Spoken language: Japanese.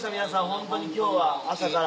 ホントに今日は朝から。